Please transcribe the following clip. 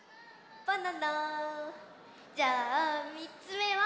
じゃあ３つめは。